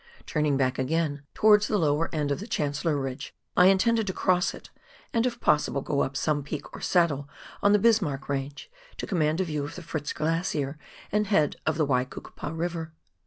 Turning back again towards the lower end of the Chancellor Ridge, I intended to cross it, and if possible go up some peak or saddle on the Bismarck Range, to command a view of the Fritz Glacier and head of the Waikukupa River.